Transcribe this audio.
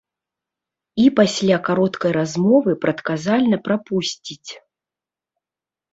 І пасля кароткай размовы прадказальна прапусціць.